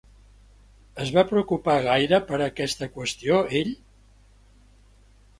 Es va preocupar gaire per aquesta qüestió ell?